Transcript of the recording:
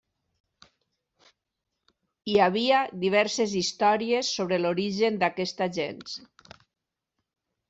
Hi havia diverses històries sobre l'origen d'aquesta gens.